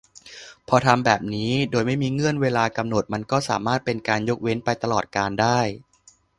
พอทำแบบนี้ โดยไม่มีเงื่อนเวลากำหนด มันก็สามารถเป็นการยกเว้นไปตลอดกาลได้